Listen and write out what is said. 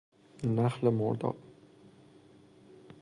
نخل مرداب